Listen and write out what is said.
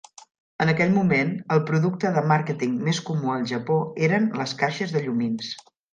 En aquell moment, el producte de màrqueting més comú al Japó eren les caixes de llumins.